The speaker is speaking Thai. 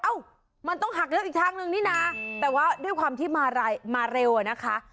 เอ้ามันต้องหักเลี้ยอีกทางนึงนี่นะแต่ว่าด้วยความที่มาเร็วอะนะคะ